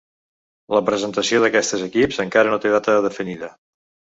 La presentació d’aquestes equips encara no té data definida.